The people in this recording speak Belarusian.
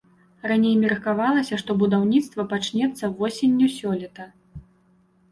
Раней меркавалася, што будаўніцтва пачнецца восенню сёлета.